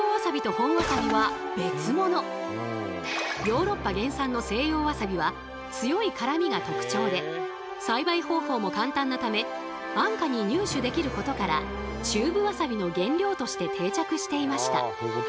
ヨーロッパ原産の西洋わさびは強い辛みが特徴で栽培方法も簡単なため安価に入手できることからチューブわさびの原料として定着していました。